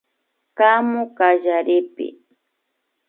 Kamu kallaripi